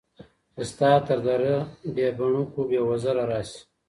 چي ستا تر دره بې بڼکو ، بې وزره راسي